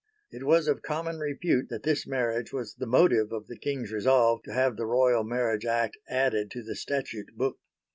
It was of common repute that this marriage was the motive of the King's resolve to have the Royal Marriage Act added to the Statute book.